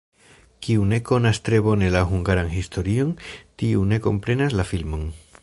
Kiu ne konas tre bone la hungaran historion, tiu ne komprenas la filmon.